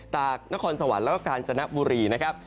ตากนครสวรรค์แล้วก็กาญจนบุรีนะครับ